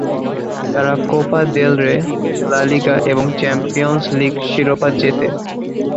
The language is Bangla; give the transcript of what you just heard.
তারা Copa del Rey, La Liga এবং চ্যাম্পিয়ন্স লীগ শিরোপা জেতে।